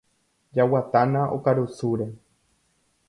Jaguatána okarusúre.